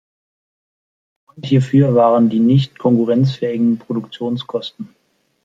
Grund hierfür waren die nicht konkurrenzfähigen Produktionskosten.